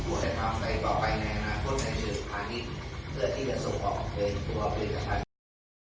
ทุกให้ทำอะไรก่อนไปในอนาคตให้เชิญพาทิศเพื่อที่จะส่งออกเป็นตัวเป็นกระทั่งภาษาธุรกิจ